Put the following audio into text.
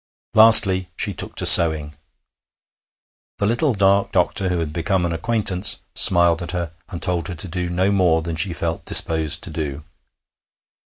Lastly, she took to sewing. The little dark doctor, who had become an acquaintance, smiled at her and told her to do no more than she felt disposed to do.